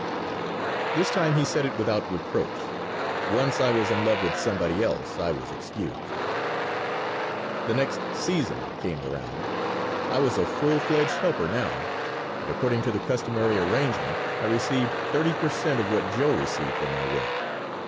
This time he said it without reproach. Once I was in love with somebody else I was excused. The next "season" came around. I was a full fledged helper now, and, according to the customary arrangement, I received thirty per cent. of what Joe received for my work.